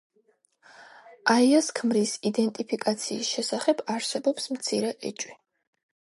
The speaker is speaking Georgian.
აიას ქმრის იდენტიფიკაციის შესახებ არსებობს მცირე ეჭვი.